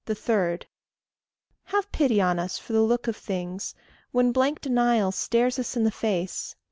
3. Have pity on us for the look of things, When blank denial stares us in the face.